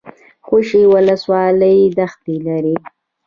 خوشي ولسوالۍ دښتې لري؟